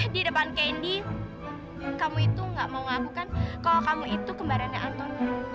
di depan candy kamu itu gak mau ngaku kan kalau kamu itu kembarannya anton